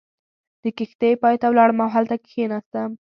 د کښتۍ پای ته ولاړم او هلته کېناستم.